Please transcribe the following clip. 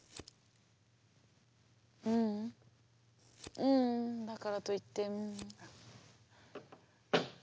ううんだからといってううん。